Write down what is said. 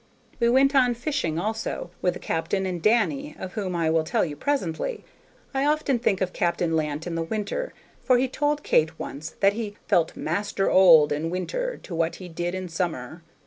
We went out fishing, also, with the captain and "Danny," of whom I will tell you presently. I often think of Captain Lant in the winter, for he told Kate once that he "felt master old in winter to what he did in summer."